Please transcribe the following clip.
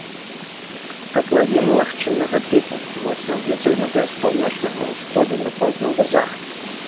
Катлавіна лагчыннага тыпу, моцна выцягнутая з паўночнага ўсходу на паўднёвы захад.